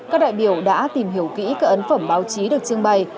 các đại biểu đã tìm hiểu kỹ các ấn phẩm báo chí được trưng bày